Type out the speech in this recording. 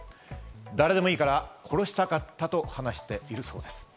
誰でもいいから殺したかったと話しているそうです。